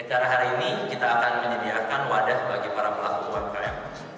acara hari ini kita akan menyediakan wadah bagi para pelaku umkm